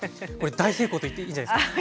大成功といっていいんじゃないですか。